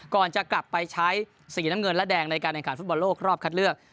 ก่อนจะกลับไปใช้สีน้ำเงินและแดงในการแข่งขันฟุตบอลโลกรอบคัดเลือก